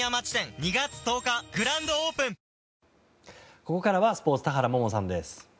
ここからはスポーツ田原萌々さんです。